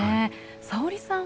さおりさん